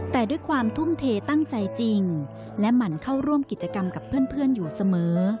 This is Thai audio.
แต่ด้วยความทุ่มเทตั้งใจจริงและหมั่นเข้าร่วมกิจกรรมกับเพื่อนอยู่เสมอ